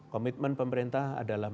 komitmen pemerintah adalah